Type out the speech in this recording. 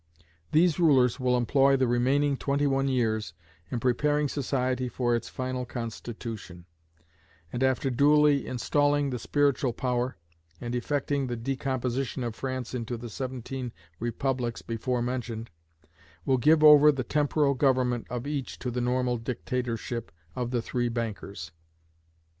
These rulers will employ the remaining twenty one years in preparing society for its final constitution; and after duly installing the Spiritual Power, and effecting the decomposition of France into the seventeen republics before mentioned, will give over the temporal government of each to the normal dictatorship of the three bankers.